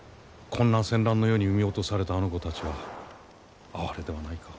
こんな戦乱の世に産み落とされたあの子たちは哀れではないか。